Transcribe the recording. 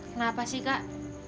kenapa sih kak